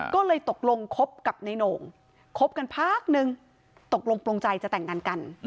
ก็เลยตกลงคบกับในโหน่งคบกันพักนึงตกลงปลงใจจะแต่งงานกัน